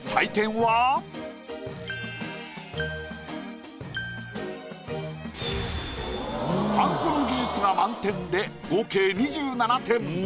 はんこの技術が満点で合計２７点。